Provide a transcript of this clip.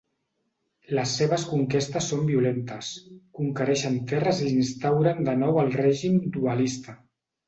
Les seves conquestes són violentes, conquereixen terres i instauren de nou el règim dualista.